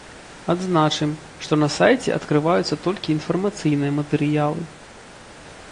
Адзначым, што на сайце адкрываюцца толькі інфармацыйныя матэрыялы.